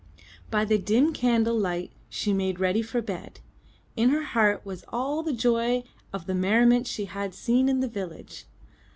By the dim candle light she made ready for bed. In her heart was all the joy of the merriment she had seen in the village.